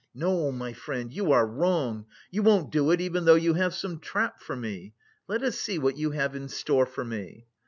No, my friend, you are wrong, you won't do it even though you have some trap for me... let us see what you have in store for me."